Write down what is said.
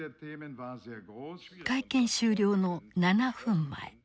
会見終了の７分前